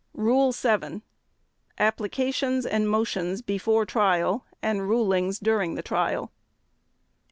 Rule 7. _Applications and Motions before Trial and Rulings during the Trial.